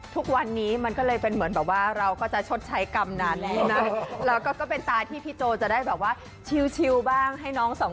ทุกวันนี้มันกะเลยเป็นเหมือนแบบว่า